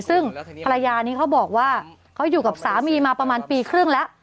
ซึ่งภรรยานี้เขาบอกว่าเขาอยู่กับสามีมาประมาณปีครึ่งแล้ว